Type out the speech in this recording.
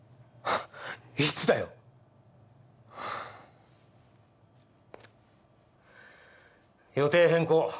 いつだよ！予定変更。